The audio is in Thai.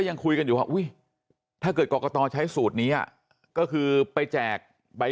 ยังคุยกันอยู่ว่าอุ้ยถ้าเกิดกรกตใช้สูตรนี้ก็คือไปแจกใบ